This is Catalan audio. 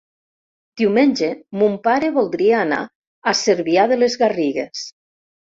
Diumenge mon pare voldria anar a Cervià de les Garrigues.